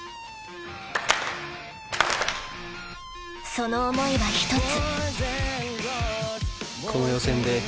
［その思いは一つ］